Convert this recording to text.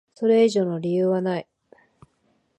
それ以上の理由はない。